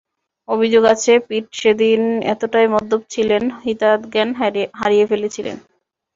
অভিযোগ আছে, পিট সেদিন এতটাই মদ্যপ ছিলেন, হিতাহিত জ্ঞান হারিয়ে ফেলেছিলেন।